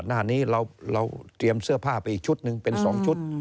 หน้านี้เราเตรียมเสื้อผ้าไปอีกชุดหนึ่งเป็น๒ชุด